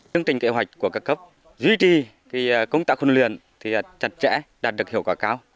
tương tình kế hoạch của các cấp duy trì công tạo huấn luyện chặt chẽ đạt được hiệu quả cao